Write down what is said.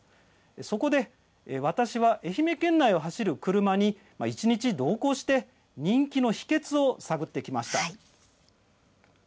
そこで私は愛媛県内を走る車に一日、同行して人気の秘けつを探ってきました。